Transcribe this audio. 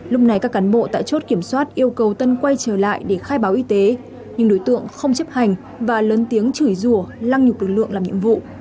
lúc này các cán bộ tại chốt kiểm soát yêu cầu tân quay trở lại để khai báo y tế nhưng đối tượng không chấp hành và lớn tiếng chửi rùa lăng nhục lực lượng làm nhiệm vụ